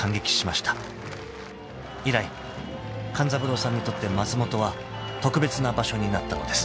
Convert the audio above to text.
［以来勘三郎さんにとって松本は特別な場所になったのです］